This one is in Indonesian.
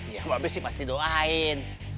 ya mbak be sih pasti doain